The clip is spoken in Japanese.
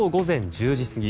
１０時過ぎ